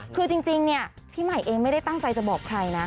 คือจริงเนี่ยพี่ใหม่เองไม่ได้ตั้งใจจะบอกใครนะ